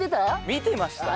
見てましたよ。